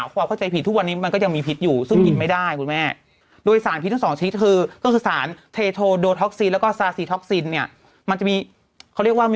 ความร้อนได้ดีอ๋อถึงต้มให้ต่อยังไงก็ไม่ได้